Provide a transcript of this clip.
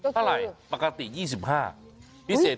เท่าไหร่ปกติ๒๕บาท